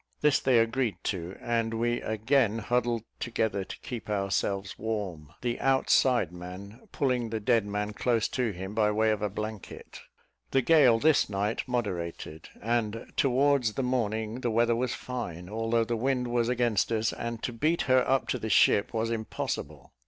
This they agreed to: and we again huddled together to keep ourselves warm, the outside man pulling the dead man close to him by way of a blanket. The gale this night moderated, and towards the morning the weather was fine, although the wind was against us, and to beat her up to the ship was impossible.